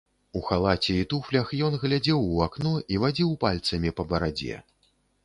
У халаце і туфлях, ён глядзеў у акно і вадзіў пальцамі па барадзе.